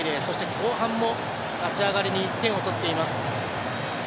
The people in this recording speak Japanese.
後半も立ち上がりに１点を取っています。